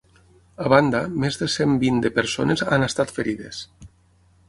A banda, més de cent vint de persones han estat ferides.